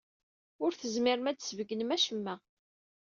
Ur tezmirem ad sbeggnem acemma.